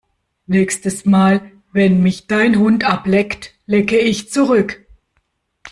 Nächstes Mal, wenn mich dein Hund ableckt, lecke ich zurück!